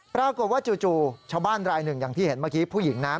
ปรากฏว่าจู่ชาวบ้านรายหนึ่งอย่างที่เห็นเมื่อกี้ผู้หญิงนะ